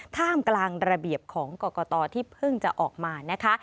ท่ามกลางระเบียบของกรกตที่เพิ่งจะออกมานะคะ